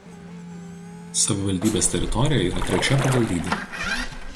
Savivaldybės teritorija yra trečia pagal dydį.